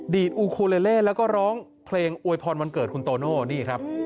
อูคูเลเล่แล้วก็ร้องเพลงอวยพรวันเกิดคุณโตโน่นี่ครับ